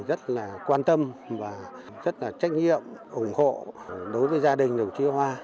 rất là quan tâm và rất là trách nhiệm ủng hộ đối với gia đình đồng chí hoa